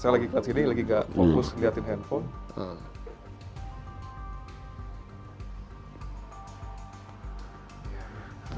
saya lagi ke sini lagi gak fokus ngeliatin handphone